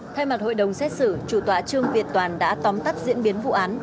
thay mặt hội đồng xét xử chủ tọa trương việt toàn đã tóm tắt diễn biến vụ án